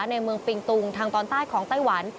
ในเมืองปิงตุงทางตอนใต้ของไต้หวัน